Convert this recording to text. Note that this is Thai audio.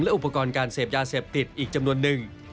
อุปกรณ์การเสพยาเสพติดอีกจำนวนนึง